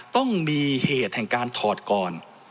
ต้องมีเหตุแห่งการถอดก่อน